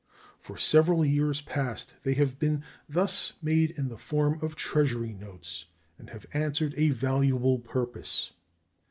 For several years past they have been thus made in the form of Treasury notes, and have answered a valuable purpose.